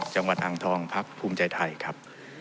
จังหวัดอ่างทองพักภูมิใจไทยครับ